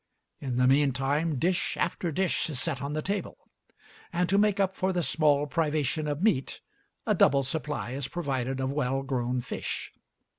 In the mean time dish after dish is set on the table; and to make up for the small privation of meat, a double supply is provided of well grown fish.